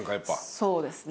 そうですね。